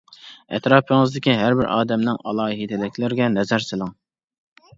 ئەتراپىڭىزدىكى ھەر بىر ئادەمنىڭ ئالاھىدىلىكلىرىگە نەزەر سېلىڭ.